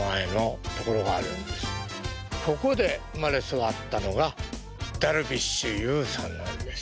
そこで生まれ育ったのがダルビッシュ有さんなんです。